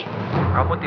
kamu akan bersalah